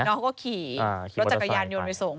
น้องก็ขี่รถจักรยานยนต์ไปส่ง